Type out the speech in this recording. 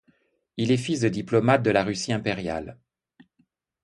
Il est fils de diplomate de la Russie impériale.